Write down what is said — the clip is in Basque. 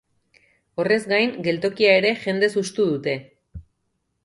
Horrez gain, geltokia ere jendez hustu dute.